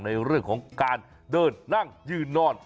ในเรื่องของการเดินนั่งยืนนอน